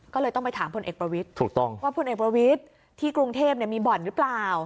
ก็เลยต้องไปถามพลเอกประวิทย์ถูกต้องว่าพลเอกประวิทย์ที่กรุงเทพมีบ่อนหรือเปล่า